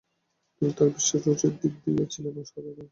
তিনি তার বিশ্বাস ও রুচির দিক দিয়ে ছিলেন সাধারণ।